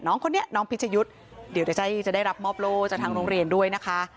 น้องคนนี้น้องพิชยุทธ์เดี๋ยวจะได้รับมอบโล่จากทางโรงเรียนด้วยนะคะ